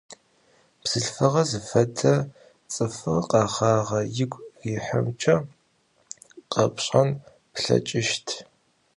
Bzılhfığer zıfede ts'ıfır kheğağeu ıgu rihıremç'e khepş'en plheç'ışt.